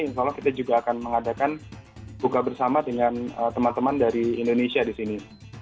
insya allah kita juga akan mengadakan buka bersama dengan teman teman dari indonesia di sini